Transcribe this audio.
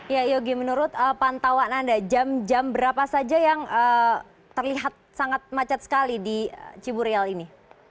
ya yogi menurut pantauan anda jam jam berapa saja yang terlihat sangat macet sekali di ciburial ini